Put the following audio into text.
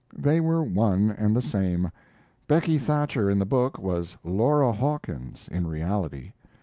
They were one and the same. Becky Thatcher in the book was Laura Hawkins in reality.